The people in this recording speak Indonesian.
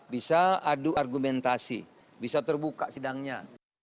bisa adu argumentasi bisa terbuka sidangnya